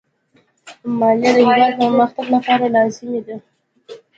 مالیه د هېواد پرمختګ لپاره لازمي ده.